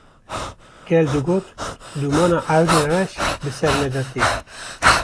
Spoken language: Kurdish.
Gel digot: “Dûmana ewrên reş bi ser me de tê”